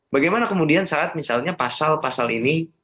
bagaimana kemudian saat misalnya pasal pasal ini